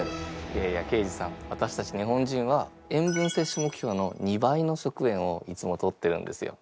いやいや刑事さんわたしたち日本人は塩分摂取目標の２倍の食塩をいつもとってるんですよ。